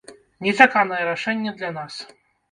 Нечаканае рашэнне для нас.